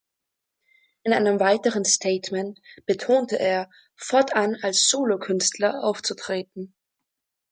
In einem weiteren Statement betonte er, fortan als Solokünstler aufzutreten.